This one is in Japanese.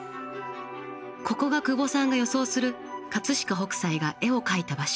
ここが久保さんが予想する飾北斎が絵を描いた場所。